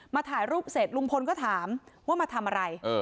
ถ่ายรูปเสร็จลุงพลก็ถามว่ามาทำอะไร